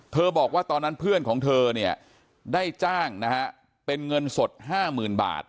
เธอบอกว่าตอนนั้นเพื่อนของเธอได้จ้างเป็นเงินสด๕๐๐๐๐บาท